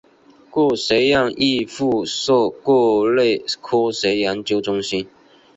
各学院亦附设各类科学研究中心。